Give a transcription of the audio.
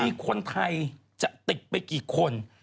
มีคนไทยจะติดไปกี่คน